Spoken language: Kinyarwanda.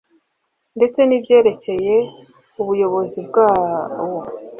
ndetse n'ibyerekeye ubuyobozi bwawo.